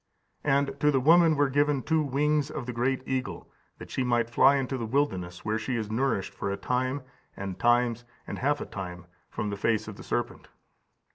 And to the woman were given two wings of the great eagle, that she might fly into the wilderness, where she is nourished for a time, and times, and half a time, from the face of the serpent."